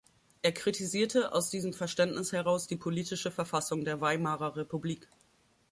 Er kritisierte aus diesem Verständnis heraus die politische Verfassung der Weimarer Republik.